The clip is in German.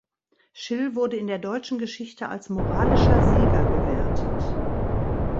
Schill wurde in der deutschen Geschichte als moralischer Sieger gewertet.